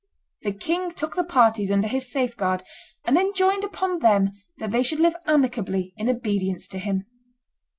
The king took the parties under his safeguard, and enjoined upon them that they should live amicably in obedience to him."